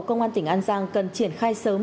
công an tỉnh an giang cần triển khai sớm